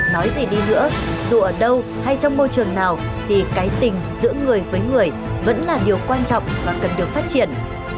nói gì đi nữa dù ở đâu hay trong môi trường nào thì cái tình giữa người với người vẫn là điều quan trọng và cần được phát triển